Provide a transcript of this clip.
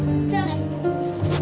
じゃあね！